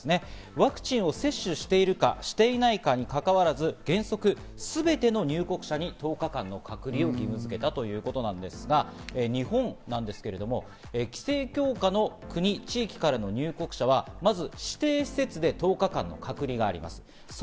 ワクチンを接種しているか、していないかにかかわらず、原則すべての入国者に１０日間の隔離を義務付けたということなんですが、日本なんですけれども、規制強化の国・地域からの入国者はまず指定施設で１０日間の隔離があります。